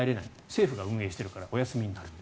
政府が運営しているからお休みになる。